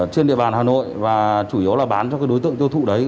trên địa bàn hà nội và chủ yếu là bán cho cái đối tượng tiêu thụ đấy